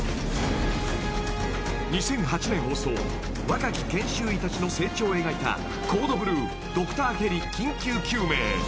［若き研修医たちの成長を描いた『コード・ブルードクターヘリ緊急救命』］